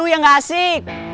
lu yang ga asik